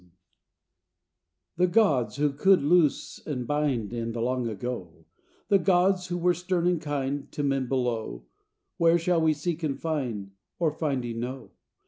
PAGAN The gods, who could loose and bind In the long ago, The gods, who were stern and kind To men below, Where shall we seek and find, Or, finding, know?